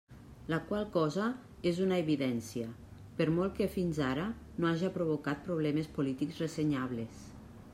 La qual cosa és una evidència, per molt que, fins ara, no haja provocat problemes polítics ressenyables.